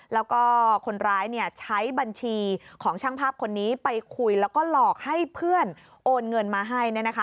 แล้วก็คนร้ายใช้บัญชีของช่างภาพคนนี้ไปคุยแล้วก็หลอกให้เพื่อนโอนเงินมาให้